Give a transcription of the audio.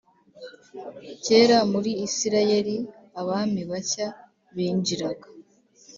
Kera muri isirayeli abami bashya binjiraga